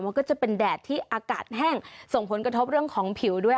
มันก็จะเป็นแดดที่อากาศแห้งส่งผลกระทบเรื่องของผิวด้วย